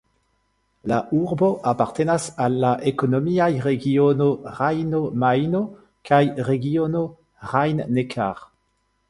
La urbo apartenas al la ekonomiaj regiono Rejno-Majno kaj regiono Rhein-Neckar.